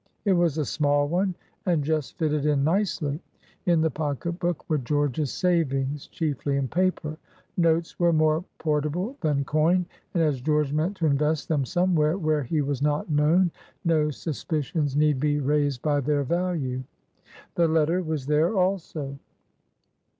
It was a small one, and just fitted in nicely. In the pocket book were George's savings, chiefly in paper. Notes were more portable than coin, and, as George meant to invest them somewhere where he was not known, no suspicions need be raised by their value. The letter was there also.